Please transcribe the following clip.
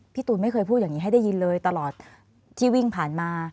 ตูนไม่เคยพูดอย่างนี้ให้ได้ยินเลยตลอดที่วิ่งผ่านมา